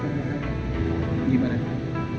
terima kasih ya